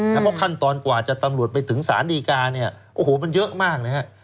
เพราะขั้นตอนกว่าจะตำรวจไปถึงสารดีการเนี่ยโอ้โหมันเยอะมากนะฮะ